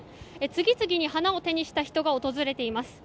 次々に花を手にした人が訪れています。